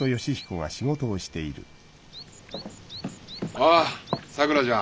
ああさくらちゃん